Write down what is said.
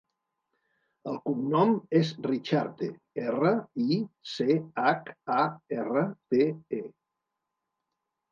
El cognom és Richarte: erra, i, ce, hac, a, erra, te, e.